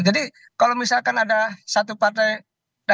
jadi kalau misalkan ada satu partai berbicara di publik